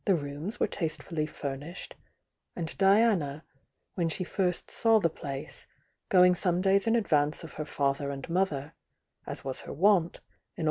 "l '"'"' tastefuUy furnished, ar 1 Diana when die first saw the place, going some days m advance of her father ard motfier, as was hw ^u'tr'^.